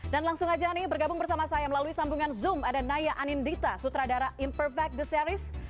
langsung aja nih bergabung bersama saya melalui sambungan zoom ada naya anindita sutradara imperfect the series